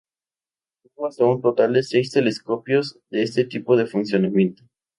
Hubo hasta un total de seis telescopios de este tipo en funcionamiento.